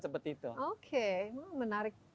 seperti itu oke menarik